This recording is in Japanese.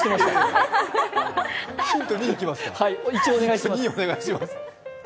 ヒント２お願いします。